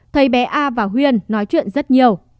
thấy bé a và huyên nói chuyện rất nhiều